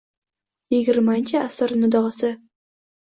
Yigirmanchi asr nidosi.